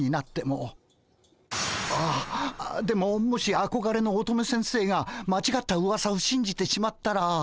あっあでももしあこがれの乙女先生が間違ったうわさをしんじてしまったら。